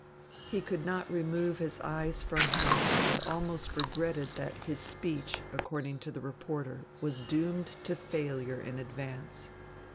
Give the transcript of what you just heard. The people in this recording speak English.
He could not remove his eyes from him and almost regretted that his speech, according to the reporter, was doomed to failure in advance.